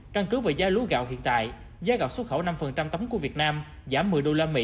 trang cứu về giá lúa gạo hiện tại giá gạo xuất khẩu năm tấm của việt nam giảm một mươi usd